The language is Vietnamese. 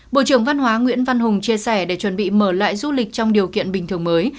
bộ trưởng văn hóa nguyễn văn hùng chia sẻ để chuẩn bị mở lại du lịch trong điều kiện bình thường mới